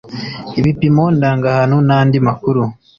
Ibipimo ndangahantu n andi makuru